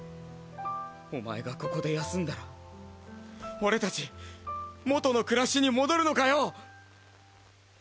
おまえがここで休んだら俺達元の暮らしに戻るのかよ？